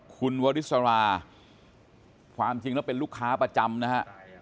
คุณวริสราความจริงแล้วเป็นลูกค้าประจำนะฮะ